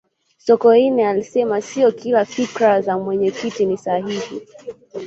sokoine alisema siyo kila fikra za mwenyekiti ni sahihi